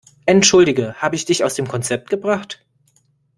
Entschuldige, habe ich dich aus dem Konzept gebracht?